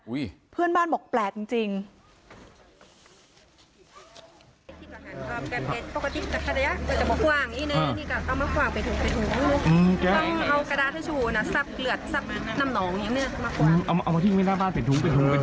เพื่อนบ้านบอกแปลกจริง